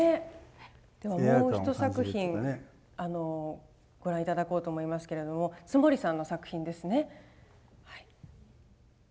ではもう一作品ご覧頂こうと思いますけれども津守さんの作品ですね。